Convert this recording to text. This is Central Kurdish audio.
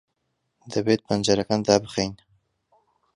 دەبێت پەنجەرەکان دابخەین.